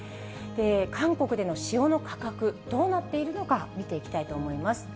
韓国での塩の価格、どうなっているのか見ていきたいと思います。